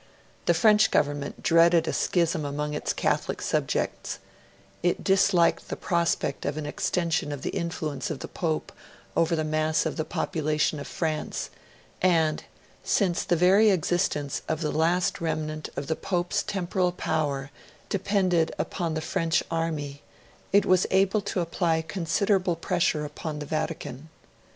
The French Government dreaded a schism among its Catholic subjects; it disliked the prospect of an extension of the influence of the Pope over the mass of the population of France; and, since the very existence of the last remnant of the Pope's Temporal Power depended upon the French army, it was able to apply considerable pressure upon the Vatican.